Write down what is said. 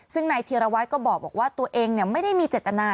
ซึ่งนายธีรวัตรก็บอกว่าตัวเองไม่ได้มีเจตนา